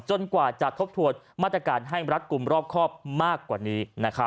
กว่าจะทบทวนมาตรการให้รัฐกลุ่มรอบครอบมากกว่านี้